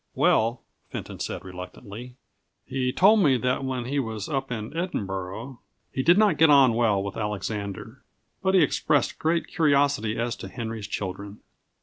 "Well," Fenton said, reluctantly, "he told me that when he was up in Edinburgh he did not get on well with Alexander; but he expressed great curiosity as to Henry's children."